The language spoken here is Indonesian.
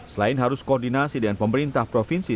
selain harus koordinasi dengan pemerintah provinsi